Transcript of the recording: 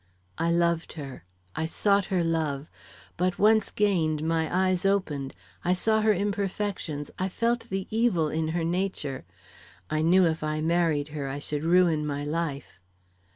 I loved her; I sought her love; but once gained, my eyes opened. I saw her imperfections; I felt the evil in her nature. I knew if I married her, I should ruin my life.